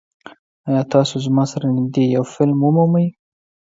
ایا تاسو زما سره نږدې یو فلم ومومئ؟